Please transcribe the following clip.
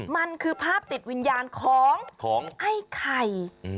มันคือภาพติดวิญญาณของไอ้ไข่